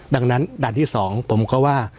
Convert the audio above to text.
ดังนั้นด่านที่๒ผมก็ว่า